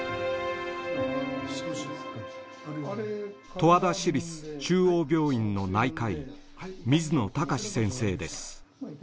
十和田市立中央病院の内科医水野隆史先生です。